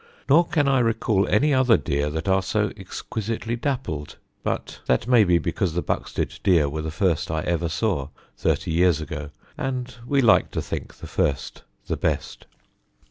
Nor can I recall any other deer that are so exquisitely dappled; but that may be because the Buxted deer were the first I ever saw, thirty years ago, and we like to think the first the best.